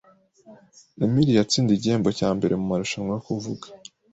Emily yatsindiye igihembo cya mbere mumarushanwa yo kuvuga